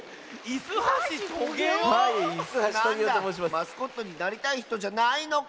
マスコットになりたいひとじゃないのか。